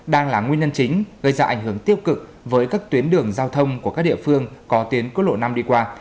đang là nguyên nhân chính gây ra ảnh hưởng tiêu cực với các tuyến đường giao thông của các địa phương có tuyến quốc lộ năm đi qua